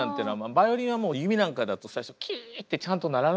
バイオリンはもう弓なんかだと最初「キー」ってちゃんと鳴らない。